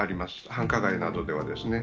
繁華街などではですね。